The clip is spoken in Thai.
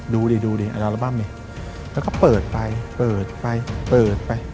ดูดิดูดิอัลบั้มนี่แล้วก็เปิดไปเปิดไปเปิดไป